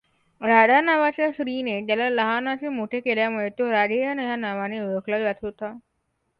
राधा नावाच्या स्त्रीने त्याला लहानाचे मोठे केल्यामुळे तो राधेय ह्या नावाने ओळखला जात होता.